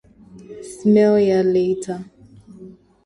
Smell ya later.